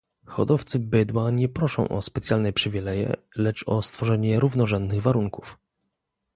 Hodowcy bydła nie proszą o specjalne przywileje, lecz o stworzenie równorzędnych warunków